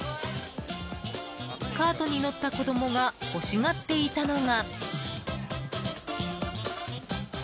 カートに乗った子供が欲しがっていたのが。